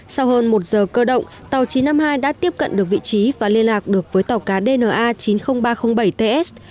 sau hơn một giờ cơ động tàu chín trăm năm mươi hai đã tiếp cận được vị trí và liên lạc được với tàu cá dna chín mươi nghìn ba trăm linh bảy ts